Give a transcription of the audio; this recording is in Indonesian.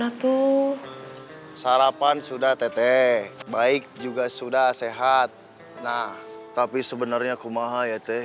atau sarapan sudah teteh baik juga sudah sehat nah tapi sebenarnya aku maha ya teh